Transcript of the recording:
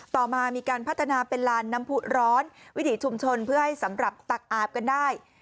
ต่อมามีการพัฒนาเป็นลานน้ำผู้ร้อนวิถีชุมชนเพื่อให้สำหรับตักอาบกันได้